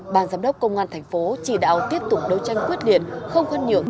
bàn giám đốc công an thành phố chỉ đạo tiếp tục đấu tranh quyết liệt không khoan nhượng